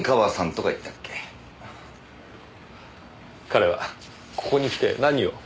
彼はここに来て何を？